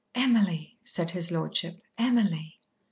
"Emily!" said his lordship, "Emily!"